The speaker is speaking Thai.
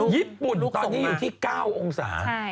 ญี่ปุ่นตอนนี้อยู่ที่๙องศา